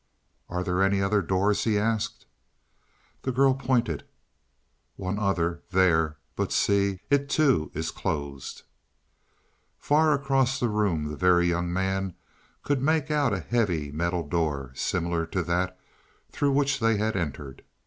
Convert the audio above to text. "Are there any other doors?" he asked. The girl pointed. "One other, there but see, it, too, is closed." Far across the room the Very Young Man could make out a heavy metal door similar to that through which they had entered.